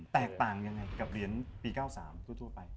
แตกต่างยังไงกับเหรียญปี๙๓ทั่วไป